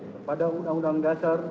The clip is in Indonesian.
kepada undang undang dasar